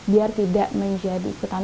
biar tidak terlalu banyak yang diperlukan